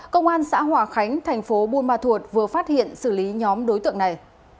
công an xã hòa khánh thành phố buôn ma thuột vừa phát hiện xử lý nhóm đối tượng này